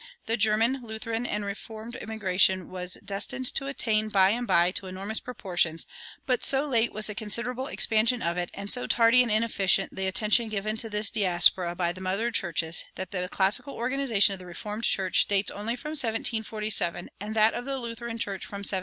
The German Lutheran and Reformed immigration was destined to attain by and by to enormous proportions; but so late was the considerable expansion of it, and so tardy and inefficient the attention given to this diaspora by the mother churches, that the classical organization of the Reformed Church dates only from 1747, and that of the Lutheran Church from 1760.